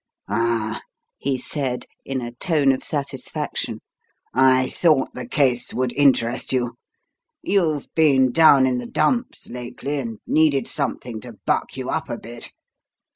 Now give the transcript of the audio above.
"Ah," he said, in a tone of satisfaction, "I thought the case would interest you. You've been down in the dumps lately and needed something to buck you up a bit.